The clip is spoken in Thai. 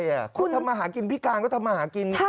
เขาทำมาหากินพี่กราวน์ก็ทำมาหากิน